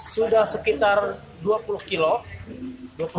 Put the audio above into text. sudah sekitar dua puluh kilo